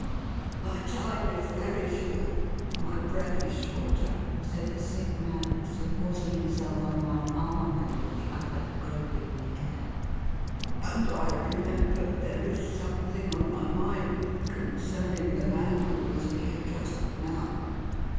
" My time is very short, my breath is shorter," said the sick man, supporting himself on one arm, and with the other groping in the air, "and I remember there is something on my mind concerning the man who was here just now.